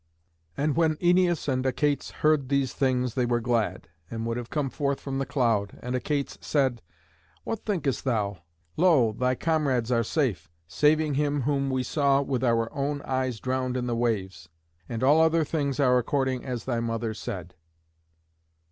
And when Æneas and Achates heard these things they were glad, and would have come forth from the cloud, and Achates said, "What thinkest thou? Lo, thy comrades are safe, saving him whom we saw with our own eyes drowned in the waves; and all other things are according as thy mother said."